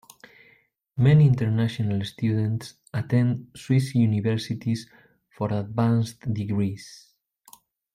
Many international students attend Swiss universities for advanced degrees.